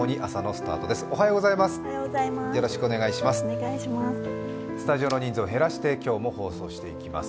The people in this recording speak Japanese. スタジオの人数を減らして今日も放送していきます。